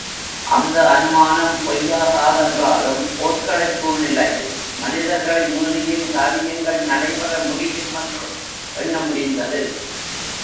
அந்த அனுமானம் பொய்யாகாதென்றாலும் போர்க்களச் சூழ்நிலையில் மனிதர்களை மீறியும் காரியங்கள் நடைபெற முடியும் என்றும் எண்ண முடிந்தது.